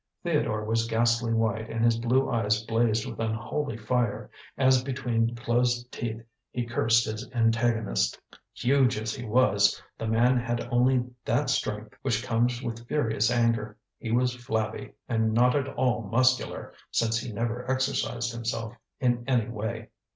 Theodore was ghastly white and his blue eyes blazed with unholy fire, as between closed teeth he cursed his antagonist. Huge as he was, the man had only that strength which comes with furious anger. He was flabby, and not at all muscular, since he never exercised himself in any way.